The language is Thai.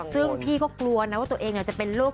ซึ่งพี่ก็กลัวนะว่าตัวเองจะเป็นโรค